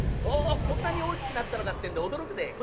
おおこんなに大きくなったのかってんで驚くぜ。